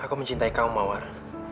aku juga mencintai kamu mawar